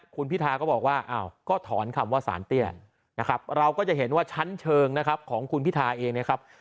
คุณพิธาก็บอกว่าอ้าวก็ถอนคำว่าสารเตี้ยนะครับเราก็จะเห็นว่าชั้นเชิงนะครับของคุณพิธาเองนะครับ